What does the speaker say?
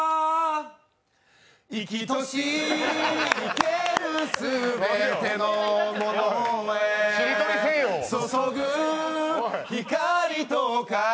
生きとし生けるもの全てのものへ注ぐ光と影。